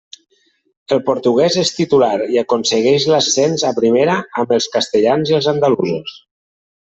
El portugués és titular i aconsegueix l'ascens a Primera amb els castellans i els andalusos.